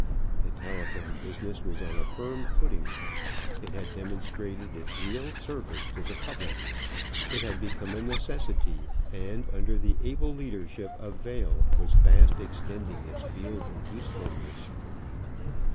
The telephone business was on a firm footing: it had demonstrated its real service to the public; it had become a necessity; and, under the able leadership of Vail, was fast extending its field of usefulness.